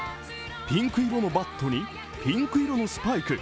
ピンク色のバットにピンク色のスパイク。